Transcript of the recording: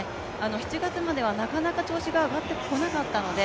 ７月まではなかなか調子が上がってこなかったので